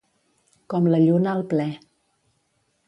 Com la lluna al ple.